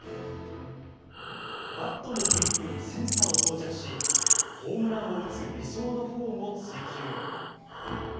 バットのグリップにセンサーを装着しホームランを打つ理想のフォームを追求。